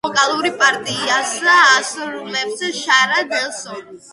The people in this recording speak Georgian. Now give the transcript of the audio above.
ვოკალურ პარტიას ასრულებს შარა ნელსონი.